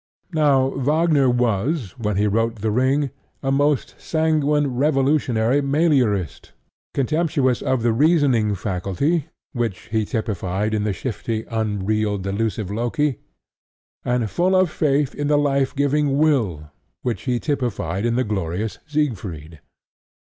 Now Wagner was, when he wrote The Ring, a most sanguine revolutionary Meliorist, contemptuous of the reasoning faculty, which he typified in the shifty, unreal, delusive Loki, and full of faith in the life giving Will, which he typified in the glorious Siegfried.